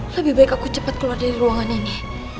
lebih baik aku cepat keluar dari ruangan ini